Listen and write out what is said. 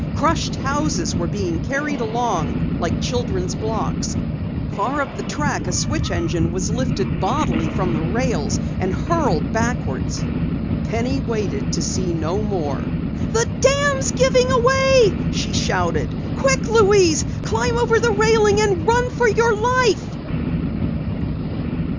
Crushed houses were being carried along like children's blocks. Far up the track a switch engine was lifted bodily from the rails and hurled backwards. Penny waited to see no more. "The dam's given away!" she shouted. "Quick, Louise! Climb over the railing and run for your life!"